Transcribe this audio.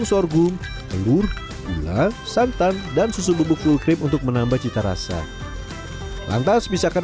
sorghum yang telah terfermentasi selama satu jam